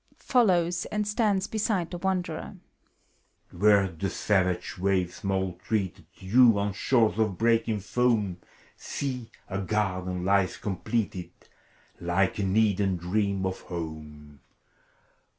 (Follows, and stands beside the Wanderer.) Where the savage waves maltreated You, on shores of breaking foam, See, a garden lies completed. Like an Eden dream of home!